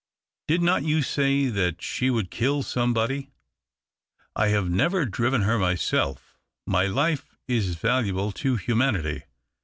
Did not you say that she would kill somebody ? 1 have never driven her myself — my life is valuable to humanity.